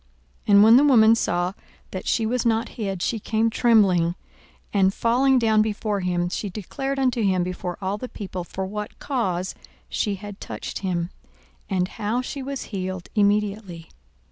42:008:047 And when the woman saw that she was not hid, she came trembling, and falling down before him, she declared unto him before all the people for what cause she had touched him, and how she was healed immediately.